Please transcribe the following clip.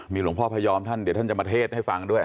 หลวงพ่อพยอมท่านเดี๋ยวท่านจะมาเทศให้ฟังด้วย